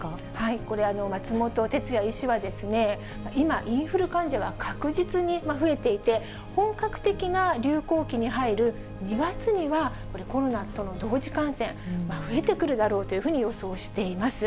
これ、松本哲哉医師は今、インフル患者が確実に増えていて、本格的な流行期に入る２月にはこれ、コロナとの同時感染、増えてくるだろうというふうに予想しています。